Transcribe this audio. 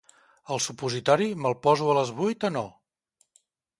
El supositori me'l poso a les vuit o no?